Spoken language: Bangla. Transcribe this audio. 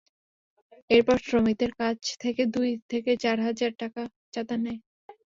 এরপর শ্রমিকদের কাছ থেকে দুই থেকে চার হাজার টাকা করে চাঁদা নেয়।